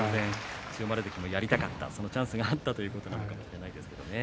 千代丸関もやりたかった、そのチャンスがあったということですね。